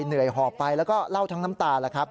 เหนื่อยหอบไปแล้วก็เล่าทั้งน้ำตาล